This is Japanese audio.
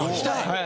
はい。